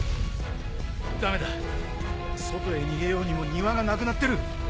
駄目だ外へ逃げようにも庭がなくなってる。